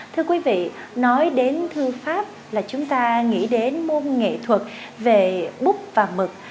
thưa quý vị nói đến thư pháp là chúng ta nghĩ đến môn nghệ thuật về búp và mực